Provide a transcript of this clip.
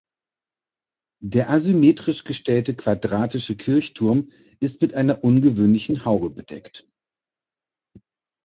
Der asymmetrisch gestellte quadratische Kirchturm ist mit einer ungewöhnlichen Haube bedeckt.